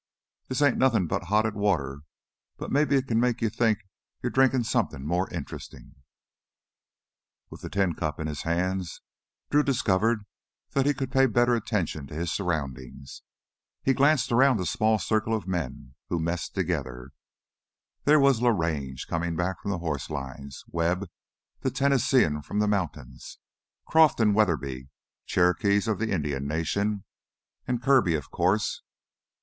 "This ain't nothin' but hotted water. But maybe it can make you think you're drinkin' somethin' more interestin'." With the tin cup in his hands, Drew discovered he could pay better attention to his surroundings. He glanced around the small circle of men who messed together. There was Larange, coming back from the horse lines, Webb, the Tennesseean from the mountains, Croff and Weatherby, Cherokees of the Indian Nations, and Kirby, of course.